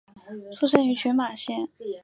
出身于群马县。